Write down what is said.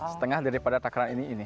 setengah daripada takaran ini ini